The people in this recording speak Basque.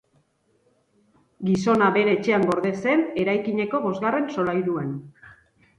Gizona bere etxean gorde zen, eraikineko bosgarren solairuan.